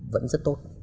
vẫn rất tốt